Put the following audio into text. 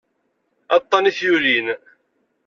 Aṭṭan i t-yulin.